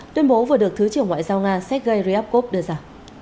tuyên bố vừa được thứ trưởng ngoại giao nga sergei ryabkov đưa ra